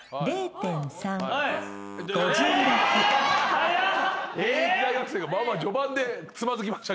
早っ！